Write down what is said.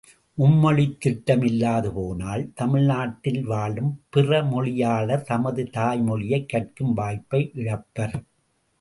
மும்மொழித் திட்டம் இல்லாது போனால் தமிழ்நாட்டில் வாழும் பிறமொழியாளர் தமது தாய் மொழியைக் கற்கும் வாய்ப்பை இழப்பர்.